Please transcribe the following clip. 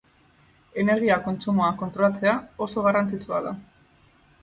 Energia-kontsumoa kontrolatzea oso garrantzitsua da.